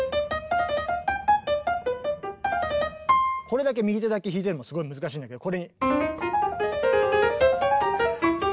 これだけ右手だけ弾いててもすごい難しいんだけどこれに。